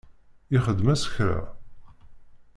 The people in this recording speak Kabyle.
Ixdem-as kra?